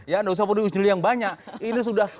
ya nggak usah peduli yang banyak ini sudah